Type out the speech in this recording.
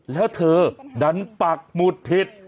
แล้วเธอดันปักหมุดผิด